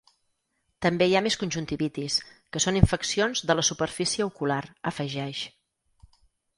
“També hi ha més conjuntivitis, que són infeccions de la superfície ocular”, afegeix.